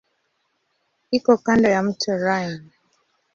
Iko kando ya mto Rhine.